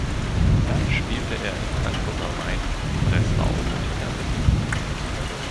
Dann spielte er in Frankfurt am Main, Breslau und wieder Berlin.